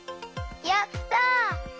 やった！